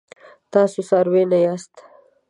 تاسي څاروي نه یاست.